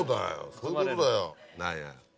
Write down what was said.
そういうことだよ。